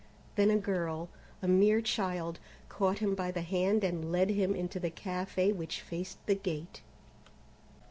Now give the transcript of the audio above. Then a girl a mere child caught him by the hand and led him into the café which faced the gate.